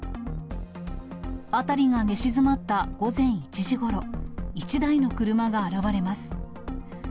辺りが寝静まった午前１時ごろ、１台の車が現れます。